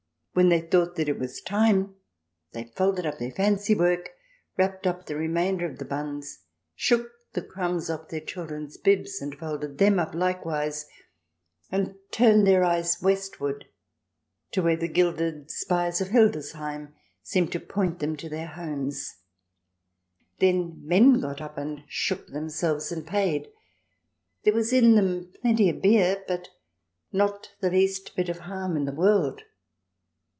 When they thought it was time, they folded up their fancy work, wrapped up the re mainder of the buns, shook the crumbs off their children's bibs and folded them up likewise, and turned their eyes westwards to where the gilded spires of Hildesheim seemed to point them to their homes. Then men got up and shook themselves, and paid. There was in them plenty of beer, but not the least bit of harm in the world.